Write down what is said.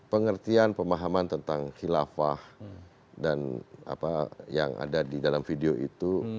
pengertian pemahaman tentang khilafah dan apa yang ada di dalam video itu